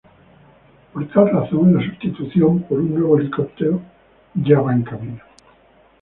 Por tal razón, la substitución por un nuevo helicóptero ya va en camino.